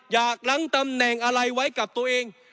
ล้างตำแหน่งอะไรไว้กับตัวเอง